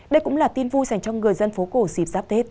đây cũng là tin vui dành cho người dân phố cổ dịp giáp tết